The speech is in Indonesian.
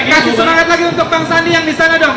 kasih semangat lagi untuk bang sandi yang disana dong